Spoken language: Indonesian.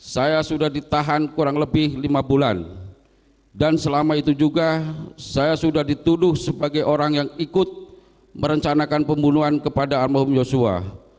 saya sudah ditahan kurang lebih lima bulan dan selama itu juga saya sudah dituduh sebagai orang yang ikut merencanakan pembunuhan kepada almarhum yosua